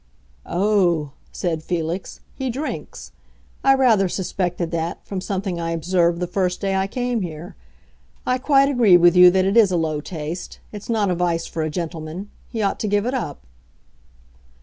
"Oh," said Felix, "he drinks! I rather suspected that, from something I observed the first day I came here. I quite agree with you that it is a low taste. It's not a vice for a gentleman. He ought to give it up."